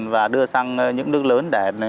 và đưa sang những nước lớn để